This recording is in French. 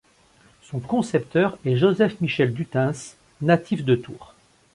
Son concepteur est Joseph-Michel Dutens, natif de Tours.